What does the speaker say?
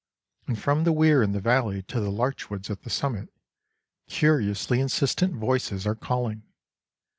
And from the weir in the valley to the larch woods at the summit, curiously insistent voices are calling.